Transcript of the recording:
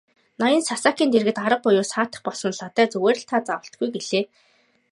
Ноён Сасакийн дэргэд арга буюу саатах болсон Лодой "Зүгээр та зоволтгүй" гэлээ.